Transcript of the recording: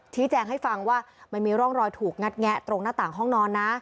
แจ้งให้ฟังว่ามันมีร่องรอยถูกงัดแงะตรงหน้าต่างห้องนอนนะ